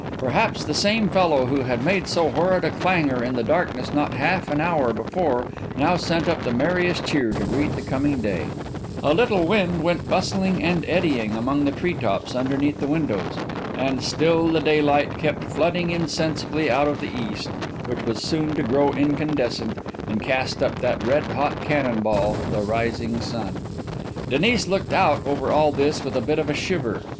Perhaps the same fellow who had made so horrid a clangour in the darkness not half an hour before, now sent up the merriest cheer to greet the coming day. A little wind went bustling and eddying among the tree tops underneath the windows. And still the daylight kept flooding insensibly out of the east, which was soon to grow incandescent and cast up that red hot cannon ball, the rising sun. Denis looked out over all this with a bit of a shiver.